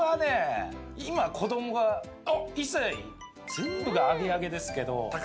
全部がアゲアゲですけど。